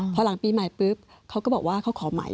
พอหลังปีใหม่ปุ๊บเขาก็บอกว่าเขาขอใหม่